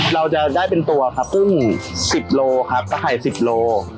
เราจะได้เป็นตัวครับกุ้ง๑๐โลครับก็ไข่๑๐โล